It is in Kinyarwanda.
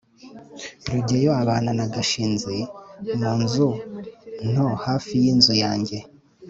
rugeyo abana na gashinzi mu nzu nto hafi y'inzu yanjye